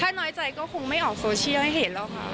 ถ้าน้อยใจก็คงไม่ออกโซเชียลให้เห็นแล้วค่ะ